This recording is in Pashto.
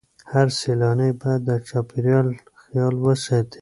هر سیلانی باید د چاپیریال خیال وساتي.